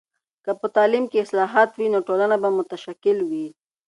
که په تعلیم کې اصلاحات وي، نو ټولنه به متشکل وي.